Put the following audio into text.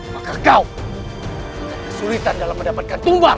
maka kau kesulitan dalam mendapatkan tumbang